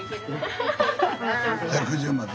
１１０まで。